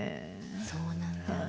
そうなんだ。